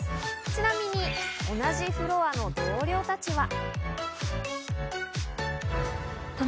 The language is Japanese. ちなみに同じフロアの同僚たちは。